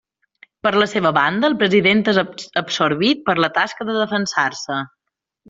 Per la seva banda, el president és absorbit per la tasca de defensar-se.